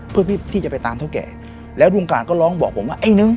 เพื่อที่จะไปตามเท่าแก่แล้วลุงการก็ร้องบอกผมว่าไอ้นึง